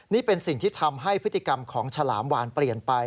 นี่เป็นสิ่งที่ทำให้พฤติกรรมของฉลามวานเปลี่ยนไป